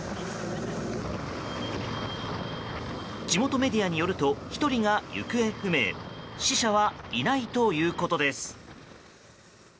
地元メディアによると１人が行方不明死者はいないということです。